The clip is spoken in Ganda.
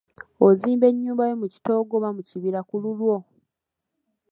Ozimba ennyumba yo mu kitoogo oba mu kibira ku lulwo.